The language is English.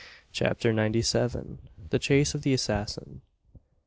CHAPTER NINETY SEVEN. THE CHASE OF THE ASSASSIN.